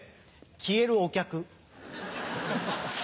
消えるお客。